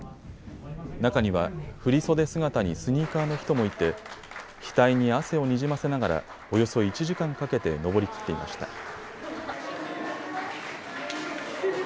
中には振りそで姿にスニーカーの人もいて額に汗をにじませながらおよそ１時間かけて上りきっていました。